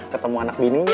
ketemu anak bininya